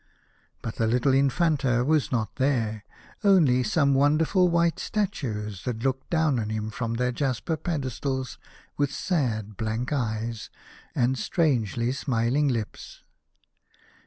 But the little Infanta was not there, only some wonderful white statues that looked down on him from their jasper pedestals, with sad blank eyes and strangely smiling lips.